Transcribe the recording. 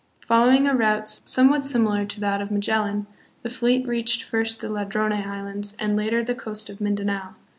Following a route somewhat similar to that of Magellan, the fleet reached first the Ladrone Islands and later the coast of Mindanao.